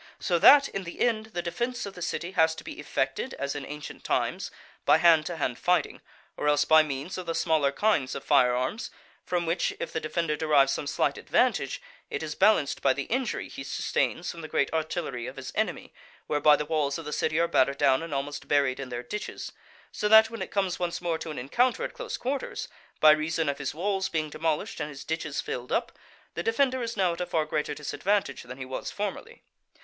So that in the end the defence of the city has to be effected, as in ancient times, by hand to hand fighting, or else by means of the smaller kinds of fire arms, from which if the defender derive some slight advantage, it is balanced by the injury he sustains from the great artillery of his enemy, whereby the walls of the city are battered down and almost buried in their ditches; so that when it comes once more to an encounter at close quarters, by reason of his walls being demolished and his ditches filled up, the defender is now at a far greater disadvantage than he was formerly.